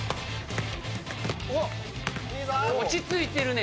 落ち着いてるね。